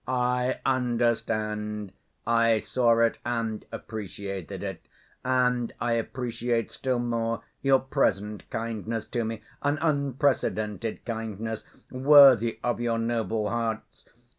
"I understand. I saw it and appreciated it, and I appreciate still more your present kindness to me, an unprecedented kindness, worthy of your noble hearts.